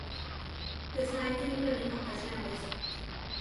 Bydd rhaid i ni brynu pabell newydd.